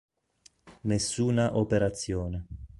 Nessuna operazione.